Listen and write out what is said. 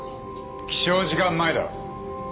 起床時間前だ。